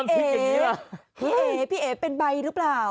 เอ๋พี่เอ๋พี่เอ๋เป็นใบหรือเปล่า